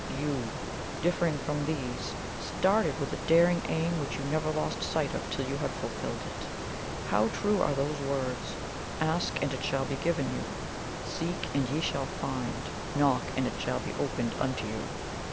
YOU, differing from these, started with a daring aim which you never lost sight of till you had fulfilled it. How true are those words: 'Ask, and it shall be given you; seek, and ye shall find; knock, and it shall be opened unto you'!